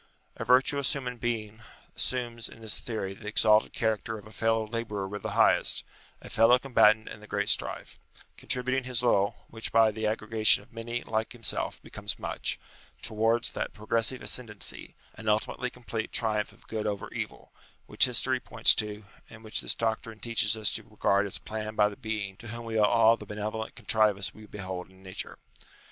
A virtuous human UTILITY OF RELIGION 117 being assumes in this theory the exalted character of a fellow labourer with the Highest, a fellow combatant in the great strife ; contributing his little, which by the aggregation of many like himself becomes much, towards that progressive ascendancy, and ultimately complete triumph of good over evil, which history points to, and which this doctrine teaches us to regard as planned by the Being to whom we owe all the benevolent contrivance we behold in Nature.